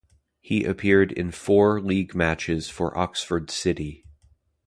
He appeared in four league matches for Oxford City.